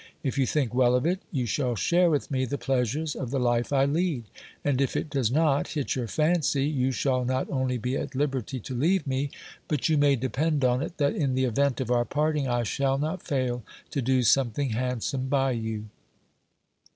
If you think well of it, you shall share with me the pleasures of the life I lead ; and, if it does not hit your fancy, you shall not only be at liberty to leave me, but you may depend on it that in the event of our parting, I shall not fail to do some thing handsome by you.